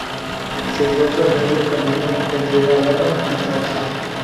Se encuentra a medio camino entre Adana y Tarso.